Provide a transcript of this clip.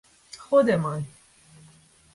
خودمان